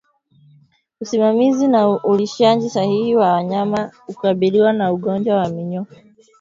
Usimamizi na ulishaji sahihi wa wanyama hukabiliana na ugonjwa wa minyoo